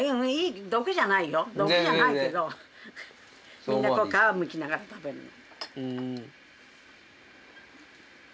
毒じゃないよ毒じゃないけどみんな皮むきながら食べるの。